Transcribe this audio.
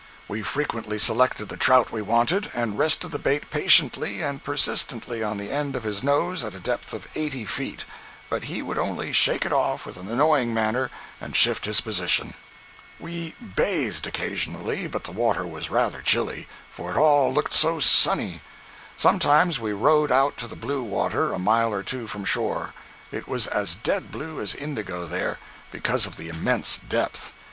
We frequently selected the trout we wanted, and rested the bait patiently and persistently on the end of his nose at a depth of eighty feet, but he would only shake it off with an annoyed manner, and shift his position. We bathed occasionally, but the water was rather chilly, for all it looked so sunny. Sometimes we rowed out to the "blue water," a mile or two from shore. It was as dead blue as indigo there, because of the immense depth.